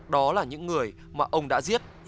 đó là những người mà ông đã giết